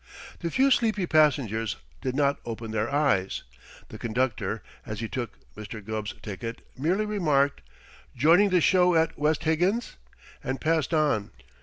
The few sleepy passengers did not open their eyes; the conductor, as he took Mr. Gubb's ticket, merely remarked, "Joining the show at West Higgins?" and passed on.